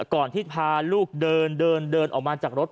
ก่อนที่พาลูกเดินเดินออกมาจากรถ